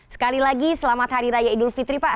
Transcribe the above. sekali lagi selamat hari raya idul fitri pak